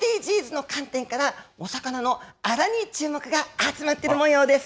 ＳＤＧｓの観点から、お魚のアラに注目が集まってるもようです。